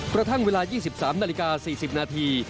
กระทั่งเวลา๒๓นาฬิกา๔๐นาที